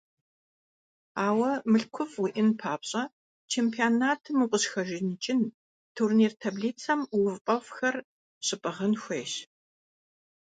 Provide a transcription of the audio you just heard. Ауэ мылъкуфӀ уиӀэн папщӀэ, чемпионатым укъыщыхэжаныкӀын, турнир таблицэм увыпӀэфӀхэр щыпӀыгъын хуейщ.